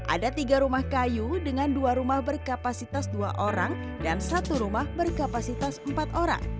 ada tiga rumah kayu dengan dua rumah berkapasitas dua orang dan satu rumah berkapasitas empat orang